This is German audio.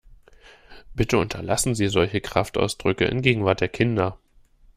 Bitte unterlassen sie solche Kraftausdrücke in Gegenwart der Kinder!